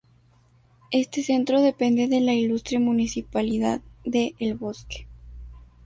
Este centro depende de la Ilustre Municipalidad de El Bosque.